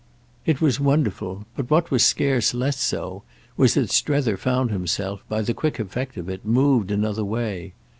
It was wonderful, but what was scarce less so was that Strether found himself, by the quick effect of it, moved another way.